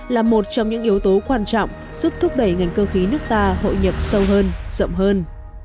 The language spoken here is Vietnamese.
là một trong những yếu tố quan trọng giúp thúc đẩy ngành cơ khí nước ta hội nhập sâu hơn rộng hơn